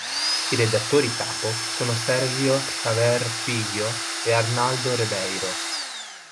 I redattori capo sono Sérgio Xavier Filho e Arnaldo Ribeiro.